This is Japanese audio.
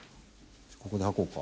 ここで履こうか。